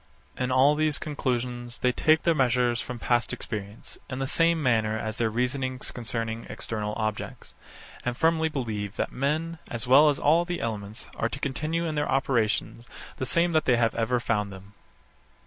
In all these conclusions they take their measures from past experience, in the same manner as in their reasonings concerning external objects; and firmly believe that men, as well as all the elements, are to continue, in their operations, the same that they have ever found them.